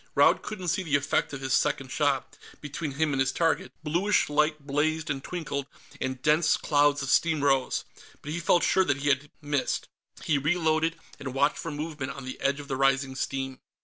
Raud couldn't see the effect of his second shot between him and his target, blueish light blazed and twinkled, and dense clouds of steam rose but he felt sure that he had missed. He reloaded, and watched for movements on the edge of the rising steam.